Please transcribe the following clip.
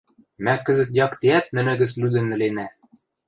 — Мӓ кӹзӹт яктеӓт нӹнӹ гӹц лӱдӹн ӹленӓ!